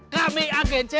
kami agen cae